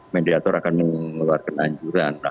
mediator akan mengeluarkan anjuran